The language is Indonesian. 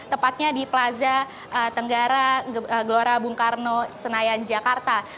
tepatnya di plaza tenggara gelora bung karno senayan jakarta